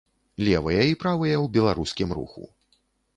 Левыя і правыя ў беларускім руху.